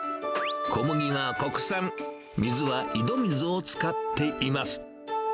小麦は国産、水は井戸水を使っています。